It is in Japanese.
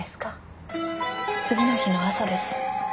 次の日の朝です。